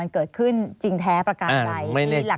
เกิดขึ้นจริงแท้ประการใด